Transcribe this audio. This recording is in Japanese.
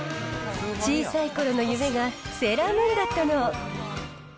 小さいころの夢がセーラームーンだったの。